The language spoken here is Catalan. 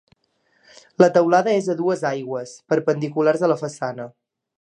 La teulada és a dues aigües, perpendiculars a la façana.